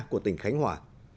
của tỉnh khánh hòa